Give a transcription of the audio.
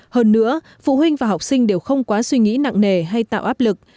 hơn nữa phụ huynh và học sinh đều không quá suy nghĩ nặng nề hay tạo áp lực